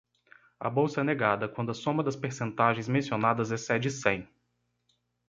A bolsa é negada quando a soma das percentagens mencionadas excede cem.